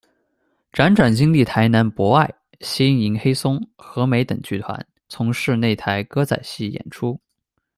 辗转经历台南「博爱」、新营「黑松」、「和美」等剧团，从事内台歌仔戏演出。